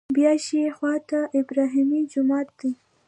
بیا ښي خوا ته ابراهیمي جومات دی.